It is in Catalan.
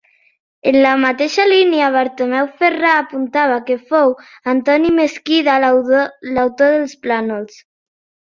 En la mateixa línia Bartomeu Ferrà apuntava que fou Antoni Mesquida l'autor dels plànols.